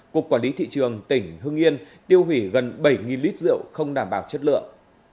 cục quản lý thị trường tỉnh hưng yên tiêu hủy gần bảy lít rượu không đảm bảo chất lượng